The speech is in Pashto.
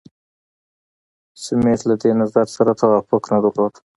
سمیت له دې نظر سره توافق نه درلود.